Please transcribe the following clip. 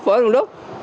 phó đồng đốc